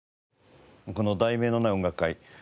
この『題名のない音楽会』